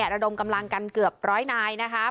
ระดมกำลังกันเกือบร้อยนายนะครับ